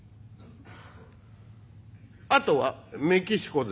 「あとは？」。